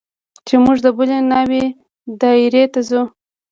چې موږ د بلې ناوې دايرې ته ځو.